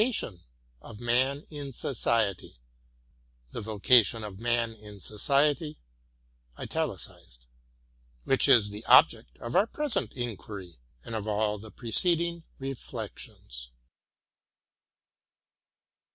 oo we shall have found the vocation of man in Society, which is the object of our present inquiry and of all the pre ceding reflections.